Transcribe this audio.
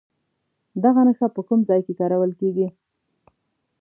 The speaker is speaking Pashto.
دغه نښه په کوم ځای کې کارول کیږي؟